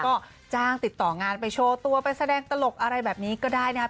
ก็จ้างติดต่องานไปโชว์ตัวไปแสดงตลกอะไรแบบนี้ก็ได้นะครับ